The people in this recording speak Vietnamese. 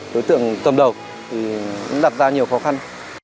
đối tượng tầm đầu thì đặt ra nhiều khó khăn